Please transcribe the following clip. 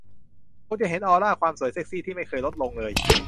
คงจะเห็นออร่าความสวยเซ็กซี่ที่ไม่เคยลดลงเลย